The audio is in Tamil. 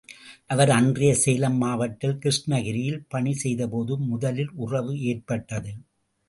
அவர் அன்றைய சேலம் மாவட்டத்தில் கிருஷ்ணகிரியில் பணி செய்தபோது முதலில் உறவு ஏற்பட்டது!